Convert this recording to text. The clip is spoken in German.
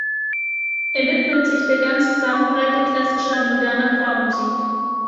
Er widmet sich der ganzen Bandbreite klassischer und moderner Chormusik.